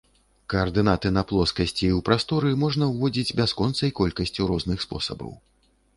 Каардынаты на плоскасці і ў прасторы можна ўводзіць бясконцай колькасцю розных спосабаў.